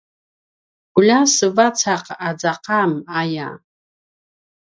ulja sevacaq aza qam aya